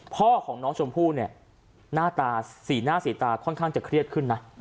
พ่อของน้องชมพู่เนี่ยหน้าตาสีหน้าสีตาค่อนข้างจะเครียดขึ้นนะ